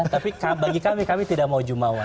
tapi bagi kami kami tidak mau jumawa